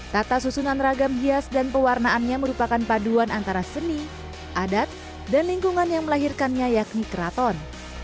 tata susunan ragam hias dan pewarnaannya merupakan paduan antara seni adat dan lingkungan yang melahirkannya yakni keraton